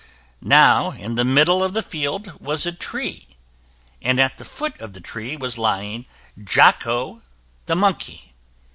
Now in the middle of the field was a tree, and at the foot of the tree was lying Jocko, the monkey.